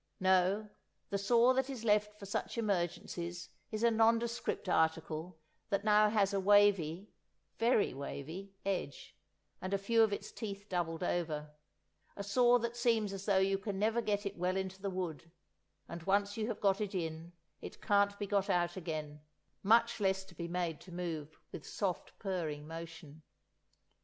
No, the saw that is left for such emergencies is a nondescript article that has now a wavy—very wavy—edge, and a few of its teeth doubled over; a saw that seems as though you can never get it well into the wood, and once you have got it in, it can't be got out again, much less be made to move with soft purring motion.